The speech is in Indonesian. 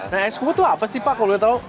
nah eskut tuh apa sih pak kalau lo tau